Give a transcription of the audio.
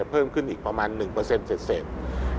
เพิ่มขึ้นอีกประมาณ๑เศษ